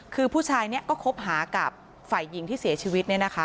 คือผู้ชายนี้ก็คบหากับฝ่ายหญิงที่เสียชีวิต